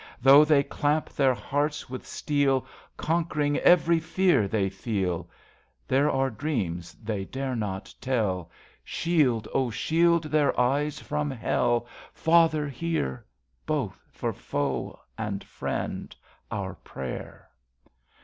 Though they clamp their hearts with steel, Conquering evei^y fear they feel. There are dreams they dare not tell. 79 INTERCESSION Shield, O shield, their eyes from hell. Father, hear, Both for foe and friend, our prayer.